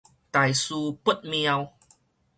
大事不秒